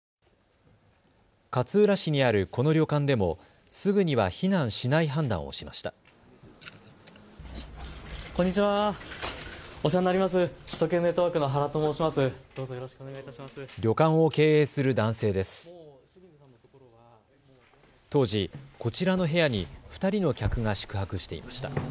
勝浦市にあるこの旅館でもすぐには避難しない判断をしました。